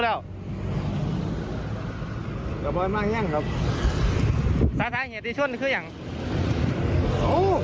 เอาไว้ใครมาขับพามาด้วยครับ